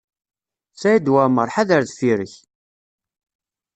Saɛid Waɛmaṛ, ḥader deffir-k!